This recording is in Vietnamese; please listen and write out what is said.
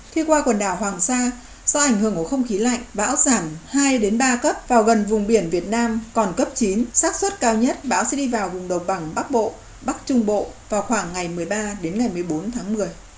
khi qua quần đảo hoàng sa do ảnh hưởng của không khí lạnh bão giảm hai ba cấp vào gần vùng biển việt nam còn cấp chín sát xuất cao nhất bão sẽ đi vào vùng đồng bằng bắc bộ bắc trung bộ vào khoảng ngày một mươi ba đến ngày một mươi bốn tháng một mươi